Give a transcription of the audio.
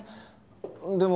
でも